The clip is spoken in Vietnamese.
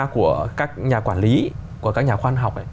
của các nhà quản lý của các nhà khoa học